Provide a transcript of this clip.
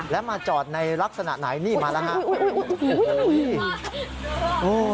แล้วมาจอดในลักษณะไหนนี่มาแล้วครับ